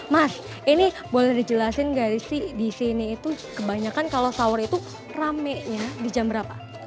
mas ini boleh dijelasin gak sih disini itu kebanyakan kalau sahur itu rame ya di jam berapa